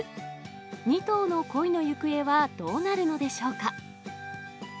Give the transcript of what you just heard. ２頭の恋の行方はどうなるのでしょうか。